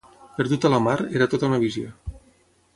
Perdut a la mar, era tota una visió.